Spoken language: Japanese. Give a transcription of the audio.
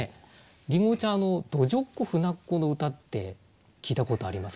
りんごちゃん「どじょっこふなっこ」の歌って聴いたことあります？